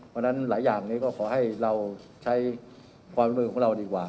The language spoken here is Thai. เพราะฉะนั้นหลายอย่างนี้ก็ขอให้เราใช้ความร่วมมือของเราดีกว่า